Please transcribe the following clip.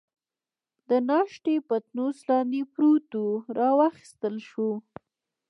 د ناشتې پتنوس لاندې پروت وو، را واخیستل شو.